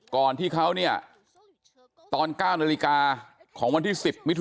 ก่อนที่เขาเนี่ยตอน๙นาฬิกาของวันที่๑๐มิถุ